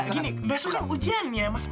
gini besok kan ujian ya mas